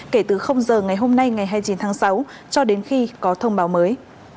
kể từ giờ ngày hôm nay ngày hai mươi chín tháng sáu cho đến khi có thông báo mới